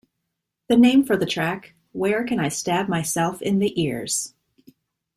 The name for the track, Where Can I Stab Myself in the Ears?